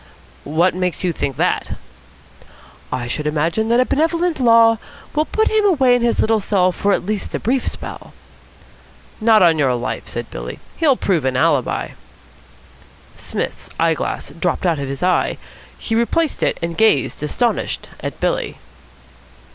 "What makes you think that?" "I should imagine that a benevolent Law will put him away in his little cell for at least a brief spell." "Not on your life," said Billy. "He'll prove an alibi." Psmith's eyeglass dropped out of his eye. He replaced it, and gazed, astonished, at Billy.